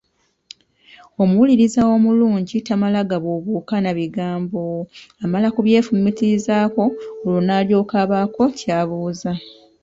Omuwuliriza omulungi tamala gabuubuuka na bigambo, amala kubyefumiitirizaako olwo n’alyoka abaako ky’abuuza.